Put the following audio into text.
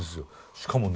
しかもね